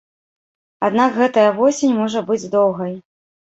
Аднак гэтая восень можа быць доўгай.